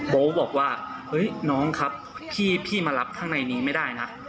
บอกว่าเฮ้ยน้องครับพี่มารับข้างในนี้ไม่ได้นะ